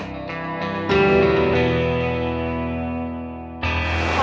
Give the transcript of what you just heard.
aku mau berhenti